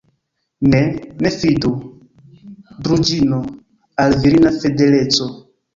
Ne, ne fidu, Druĵino, al virina fideleco!